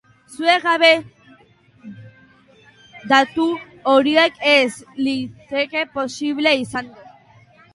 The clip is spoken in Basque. Zuek gabe datu horiek ez lirateke posible izango.